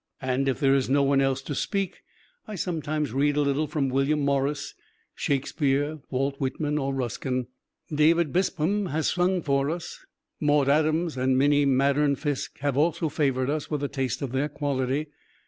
And if there is no one else to speak, I sometimes read a little from William Morris, Shakespeare, Walt Whitman or Ruskin. David Bispham has sung for us. Maude Adams and Minnie Maddern Fiske have also favored us with a taste of their quality.